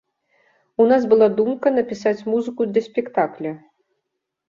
У нас была думка напісаць музыку для спектакля.